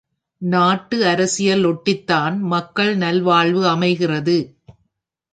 நாட்டு அரசியல் ஒட்டித்தான் மக்கள் நல்வாழ்வு அமைகிறது.